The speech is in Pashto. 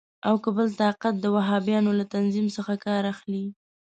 او که بل طاقت د وهابیانو له تنظیم څخه کار اخلي.